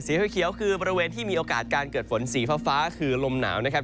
เขียวคือบริเวณที่มีโอกาสการเกิดฝนสีฟ้าคือลมหนาวนะครับ